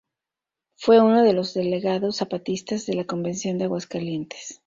Fue uno de los delegados zapatistas de la Convención de Aguascalientes.